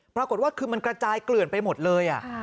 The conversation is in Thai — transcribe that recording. ปรากฏว่าคือมันกระจายเกลื่อนไปหมดเลย